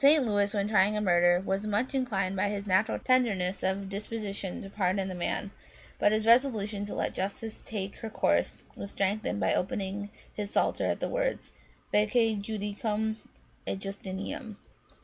St Louis when trying a murderer was much inclined by his natural tenderness of disposition to pardon the man ; but his resolution to let justice take her course was strengthened by opening his Psalter at the words, " Feci judicium et justitiam."